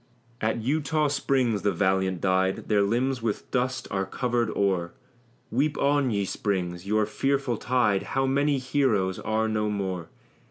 At Eutaw Springs the valiant died: Their limbs with dust are covered o'er Weep on, ye springs, your tearful tide; How many heroes are no more!